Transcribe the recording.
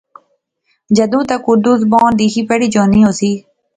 جدوں تک اُردو زبان لیخی پڑھی جانی ہوسی